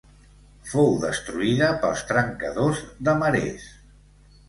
Fou destruïda pels trencadors de marès.